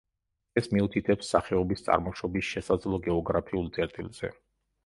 ეს მიუთითებს სახეობის წარმოშობის შესაძლო გეოგრაფიულ წერტილზე.